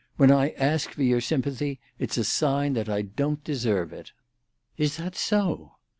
When I ask for your sympathy, it's a sign that I don't deserve it." "Is that so?"